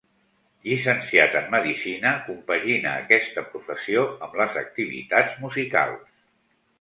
Llicenciat en medicina, compagina aquesta professió amb les activitats musicals.